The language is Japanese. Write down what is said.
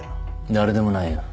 誰でもないよ。